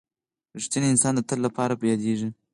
• رښتینی انسان د تل لپاره یادېږي.